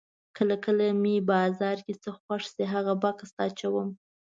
کله کله چې مې بازار کې څه خوښ شي هغه بکس ته اچوم.